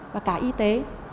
và cả y tế